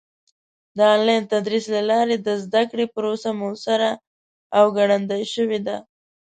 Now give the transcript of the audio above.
د آنلاین تدریس له لارې د زده کړې پروسه موثره او ګړندۍ شوې ده.